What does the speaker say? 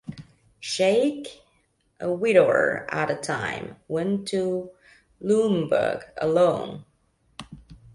Shake, a widower at the time, went to Nuremburg alone.